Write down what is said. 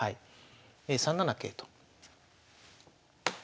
３七桂と。